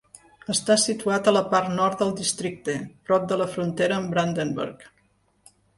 Està situat a la part nord del districte, prop de la frontera amb Brandenburg.